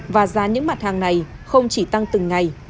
và giá những mặt hàng này không chỉ tăng từng ngày